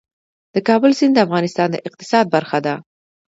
د کابل سیند د افغانستان د اقتصاد برخه ده.